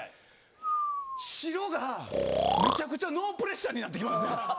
白が、めちゃくちゃノープレッシャーになりますね。